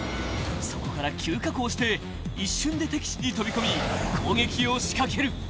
そこから急下降して一瞬で敵地に飛び込み攻撃を仕掛ける］